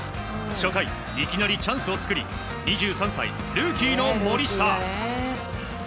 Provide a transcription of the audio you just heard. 初回、いきなりチャンスを作り２３歳、ルーキーの森下。